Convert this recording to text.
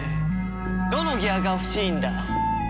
どのギアが欲しいんだ？